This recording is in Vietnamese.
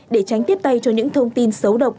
để tránh tiếp tay cho những thông tin xấu độc